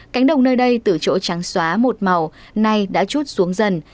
cánh đồng nơi đây từ chỗ trắng xóa một màu nay đã chút xuống dần